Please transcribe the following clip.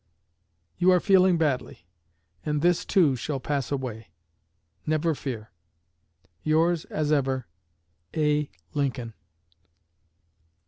You are feeling badly. And this, too, shall pass away; never fear. Yours as ever, A. LINCOLN.